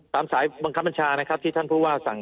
ตามสายบังคับปัญชานะครับที่ท่านพูดว่า